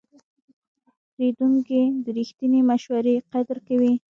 پیرودونکی د رښتینې مشورې قدر کوي.